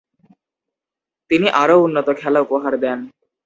তিনি আরও উন্নত খেলা উপহার দেন।